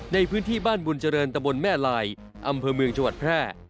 ในพื้นที่บ้านบุญเจริญตะบนแม่ลายอำเภอเมืองจังหวัดแพร่